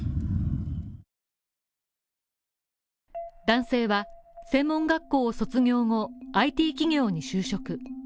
男性は専門学校を卒業後、ＩＴ企業に就職。